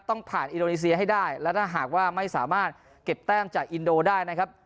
ต้องผ่านให้ได้แล้วถ้าหากว่าไม่สามารถเก็บแต้งจากอินโดด้นนะครับ